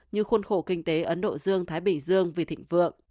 như khuôn khổ kinh tế ấn độ dương thái bình dương vì thịnh vượng